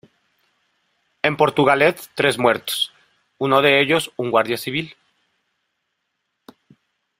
En Portugalete tres muertos, uno de ellos un guardia civil.